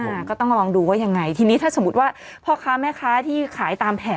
อ่าก็ต้องลองดูว่ายังไงทีนี้ถ้าสมมุติว่าพ่อค้าแม่ค้าที่ขายตามแผง